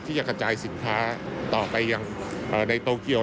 ที่จะกระจายสินค้าต่อไปยังในโตเกียว